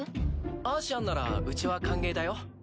アーシアンならうちは歓迎だよ。